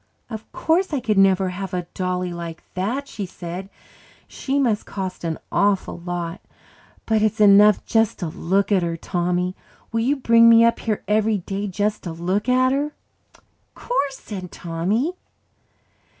"Of course I could never have a dolly like that," she said. "She must cost an awful lot. But it's enough just to look at her. Tommy, will you bring me up here every day just to look at her?" "'Course," said Tommy.